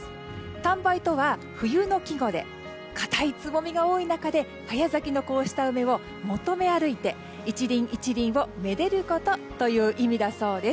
探梅とは冬の季語で硬いつぼみが多い中で早咲きのこうした梅を求め歩いて１輪１輪をめでることという意味だそうです。